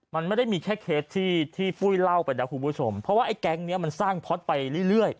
มันไม่ได้มีแค่เคสที่ที่ปุ้ยเล่าไปนะคุณผู้ชมเพราะว่าไอ้แก๊งเนี้ยมันสร้างพ็อตไปเรื่อย